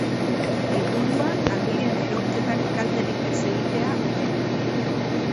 Helburua harrien erorketak kalterik ez egitea omen da.